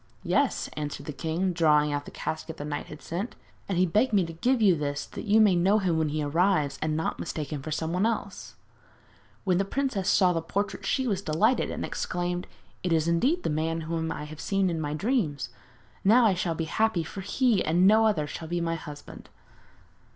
'Yes,' answered the king, drawing out the casket the knight had sent, 'and he begged me to give you this that you may know him when he arrives and not mistake him for somebody else.' When the princess saw the portrait she was delighted, and exclaimed: 'It is indeed the man whom I have seen in my dreams! Now I shall be happy, for he and no other shall be my husband.'